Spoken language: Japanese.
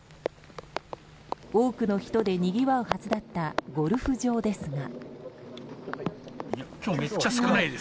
多くの人でにぎわうはずだったゴルフ場ですが。